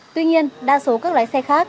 tuy nhiên đa số các lái xe khác